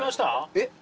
えっ？